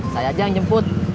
saya aja yang jemput